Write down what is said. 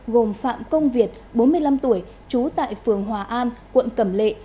gồm phạm công việt bốn mươi năm tuổi trú tại phường hòa an quận cẩm lệ